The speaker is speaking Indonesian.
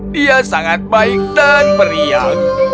dia sangat baik dan meriah